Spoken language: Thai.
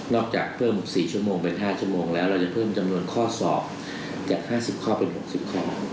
จากเพิ่ม๔ชั่วโมงเป็น๕ชั่วโมงแล้วเราจะเพิ่มจำนวนข้อสอบจาก๕๐ข้อเป็น๖๐ข้อ